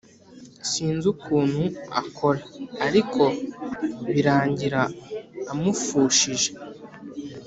sinzi ukuntu akora ariko birangira amafushije